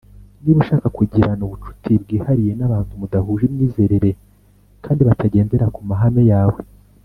niba ushaka kugirana ubucuti bwihariye n abantu mudahuje imyizerere kandi batagendera ku mahame yawe